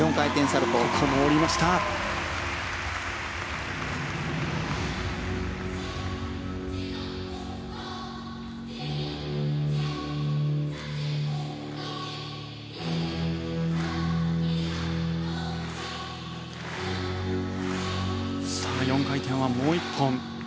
４回転はもう１本。